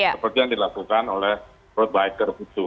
seperti yang dilakukan oleh road biker itu